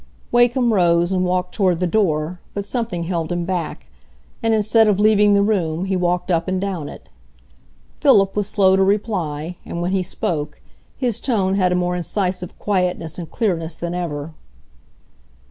Wakem rose and walked toward the door, but something held him back, and instead of leaving the room, he walked up and down it. Philip was slow to reply, and when he spoke, his tone had a more incisive quietness and clearness than ever.